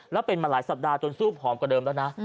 แล้วเป็นมาหลายสัปดาห์จนสู้ผอมกว่าเดิมแล้วนะ